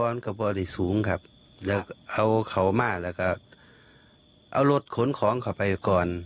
น้ำมันสูงครับแล้วก็เอาเขามาแล้วก็เอารถขนของเข้าไปก่อน